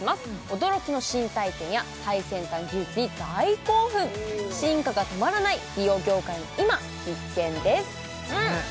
驚きの新体験や最先端技術に大興奮進化が止まらない美容業界の今必見ですねっ